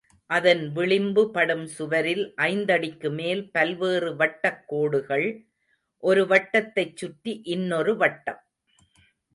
அதன் விளிம்பு படும் சுவரில் ஐந்தடிக்குமேல் பல்வேறு வட்டக் கோடுகள்... ஒரு வட்டத்தைச் சுற்றி இன்னொரு வட்டம்.